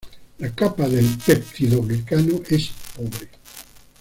La capa del peptidoglicano es pobre.